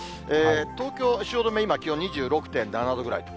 東京・汐留、今、気温２６．７度ぐらい。